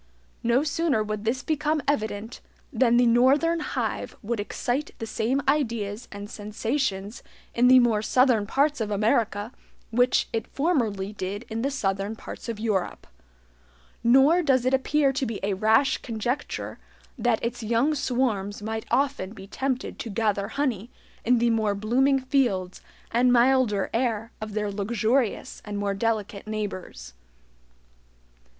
No sooner would this become evident than the NORTHERN HIVE would excite the same ideas and sensations in the more southern parts of America which it formerly did in the southern parts of Europe. Nor does it appear to be a rash conjecture that its young swarms might often be tempted to gather honey in the more blooming fields and milder air of their luxurious and more delicate neighbors.